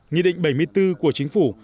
nghị định bảy mươi bốn của chính phủ